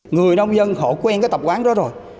người nông dân họ quen cái tập quán đó rồi